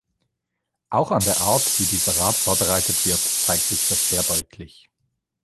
Auch an der Art, wie dieser Rat vorbereitet wird, zeigt sich das sehr deutlich.